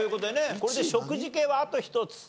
これで食事系はあと１つ。